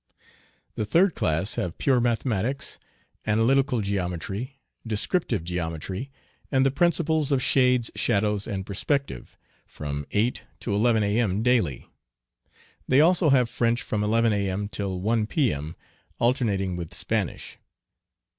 The third class have pure mathematics, analytical Geometry, descriptive geometry, and the principles of shades, shadows, and perspective, from 8 to 11 A.M. daily. They also have French from 11 A.M., till 1 P.M., alternating with Spanish.